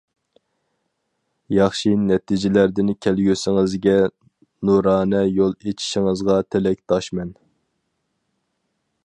ياخشى نەتىجىلەردىن كەلگۈسىڭىزگە نۇرانە يول ئېچىشىڭىزغا تىلەكداشمەن!